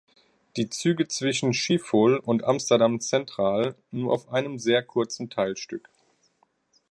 Die Züge zwischen Schiphol und Amsterdam Centraal nur auf einem sehr kurzen Teilstück.